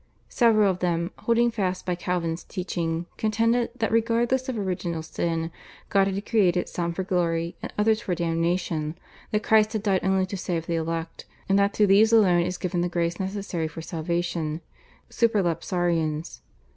Several of them, holding fast by Calvin's teaching, contended that regardless of Original Sin God had created some for glory and others for damnation, that Christ had died only to save the elect, and that to these alone is given the grace necessary for salvation (Supralapsarians).